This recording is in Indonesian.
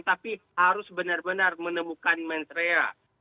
tapi harus benar benar menemukan mentrea